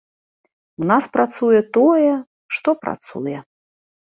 У нас працуе тое, што працуе.